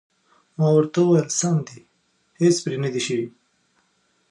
ما ورته وویل: سم دي، هېڅ پرې نه دي شوي.